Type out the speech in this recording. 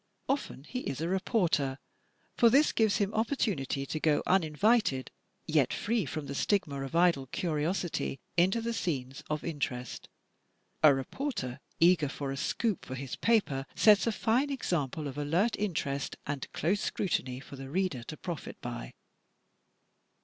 Often he is a reporter, for this gives him opportunity to go uninvited, yet free from the stigma of idle curiosity into the scenes of interest. A reporter eager for a "scoop" for his paper, sets a fine example of alert interest and close scrutiny for the reader to profit by.